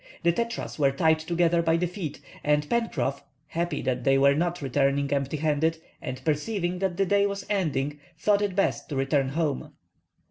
The tetras were tied together by the feet, and Pencroff, happy that they were not returning empty handed, and perceiving that the day was ending, thought it best to return home.